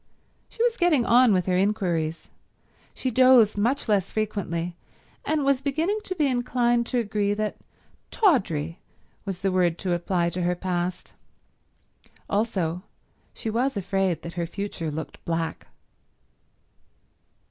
She was getting on with her inquiries. She dozed much less frequently, and was beginning to be inclined to agree that tawdry was the word to apply to her past. Also she was afraid that her future looked black.